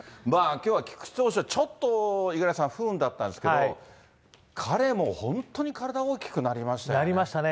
きょうは菊池投手は、ちょっと、五十嵐さん、不運だったんですけど、彼も本当に体大きくなりましたよね。